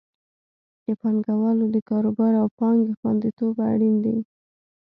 د پانګوالو د کاروبار او پانګې خوندیتوب اړین دی.